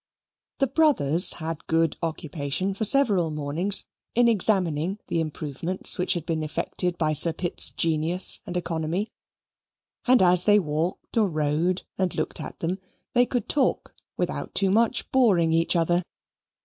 The brothers had good occupation for several mornings in examining the improvements which had been effected by Sir Pitt's genius and economy. And as they walked or rode, and looked at them, they could talk without too much boring each other.